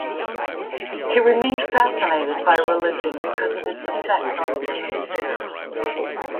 He remained fascinated by religion because of its effect on human affairs.